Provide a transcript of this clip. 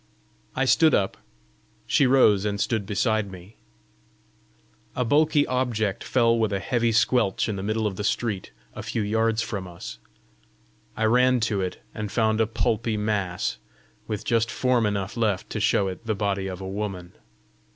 I stood up; she rose, and stood beside me. A bulky object fell with a heavy squelch in the middle of the street, a few yards from us. I ran to it, and found a pulpy mass, with just form enough left to show it the body of a woman.